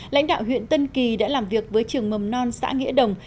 lãnh đạo huyện tân kỳ đã làm việc với trường mầm non xã nghĩa đồng